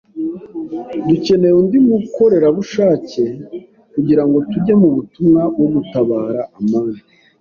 Dukeneye undi mukorerabushake kugirango tujye mu butumwa bwo gutabara amani.